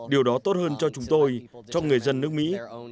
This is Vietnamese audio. điều đó tốt hơn cho chúng tôi cho người dân nước mỹ